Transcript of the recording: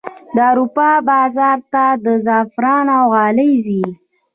د اروپا بازار ته زعفران او غالۍ ځي